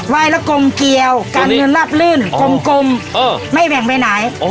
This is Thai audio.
ไหว้แล้วกลมเกียวกันรับลื่นกลมกลมเออไม่แบ่งไปไหนอ๋อ